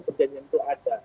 perjanjian itu ada